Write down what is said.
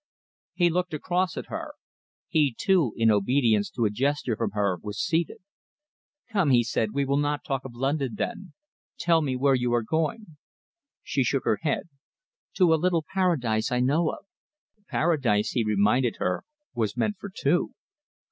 He looked across at her. He, too, in obedience to a gesture from her, was seated. "Come," he said, "we will not talk of London, then. Tell me where you are going." She shook her head. "To a little Paradise I know of." "Paradise," he reminded her, "was meant for two."